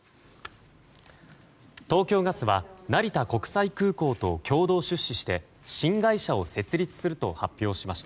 東京ガスは成田国際空港と共同出資して新会社を設立すると発表しました。